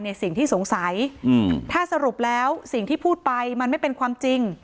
ในสิ่งที่สงสัยถ้าสรุปแล้วสิ่งที่พูดไปมันไม่เป็นความจริง